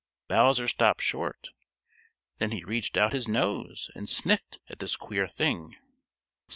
Bowser stopped short. Then he reached out his nose and sniffed at this queer thing.